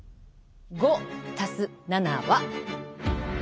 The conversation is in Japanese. ５＋７は？